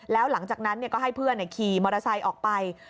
แล้วหลังจากนั้นก็ให้เพื่อนขี่มอเตอร์ไซค์ออกไป